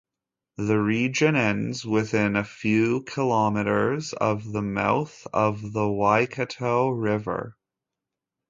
The region ends within a few kilometres of the mouth of the Waikato River.